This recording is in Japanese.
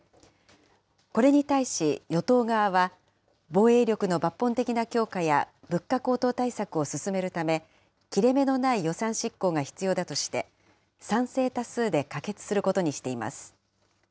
これに対し、与党側は防衛力の抜本的な強化や物価高騰対策を進めるため、切れ目のない予算執行が必要だとして、賛成多数で可決することにしています。